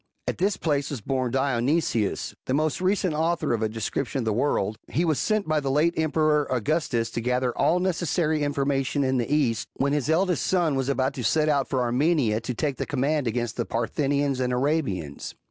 At this place was born Dionysius,* the most recent author of a description of the world ; he was sent by the late emperor Augustus to gather all necessary information in the East, when his eldest^ son was about to set out for Armenia to take the command against the Parthians and Arabians.